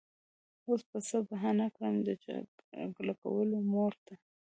وس به څۀ بهانه کړمه د چک لګولو مور ته